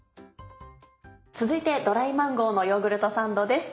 続いてドライマンゴーのヨーグルトサンドです。